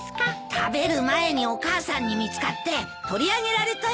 食べる前にお母さんに見つかって取り上げられたよ。